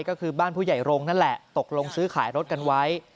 ก็คือบ้านผู้ใหญ่โรงนั่นแหละตกลงซื้อขายรถกันไว้